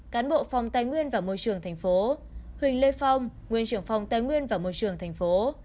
cán bộ phòng tài nguyên và môi trường tp huỳnh lê phong nguyên trưởng phòng tài nguyên và môi trường tp